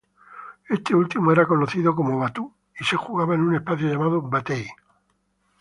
Este último era conocido como batú y se jugaba en un espacio llamado "batey".